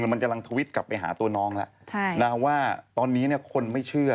คือมันกำลังทวิตกลับไปหาตัวน้องล่ะน่าว่าตอนนี้คนไม่เชื่อ